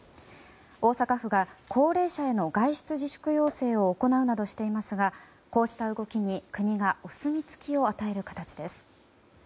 大阪府が高齢者への外出自粛要請を行うなどしていますがこうした動きに国がお墨付きを与える形です。